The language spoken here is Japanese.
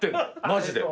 マジで。